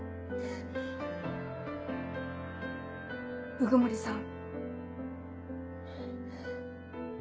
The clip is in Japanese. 鵜久森さん。